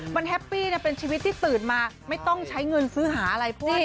มันแฮปปี้นะเป็นชีวิตที่ตื่นมาไม่ต้องใช้เงินซื้อหาอะไรพวกนี้